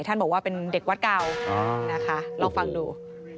ท่านบอกว่าเป็นเด็กวัดเก่านะคะลองฟังดู